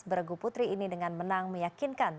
beregu putri ini dengan menang meyakinkan